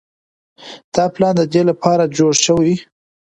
دا پلان د دې لپاره جوړ شوی.